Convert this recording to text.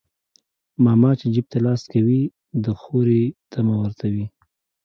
ماما چى جيب ته لاس کوى د خورى طعمه ورته وى.